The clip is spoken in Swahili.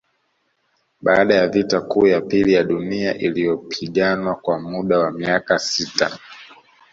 Baada ya vita kuu ya pili ya Dunia iliyopiganwa kwa muda wa miaka sita